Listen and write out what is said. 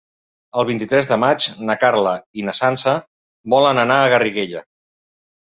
El vint-i-tres de maig na Carla i na Sança volen anar a Garriguella.